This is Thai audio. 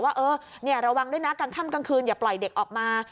ว่าเออระวังด้วยนะกลางค่ำกลางคืนอย่าปล่อยเด็กออกมา